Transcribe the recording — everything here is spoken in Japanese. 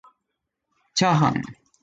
ちゃーはん